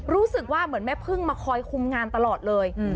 รู้สึกว่าเหมือนแม่พึ่งมาคอยคุมงานตลอดเลย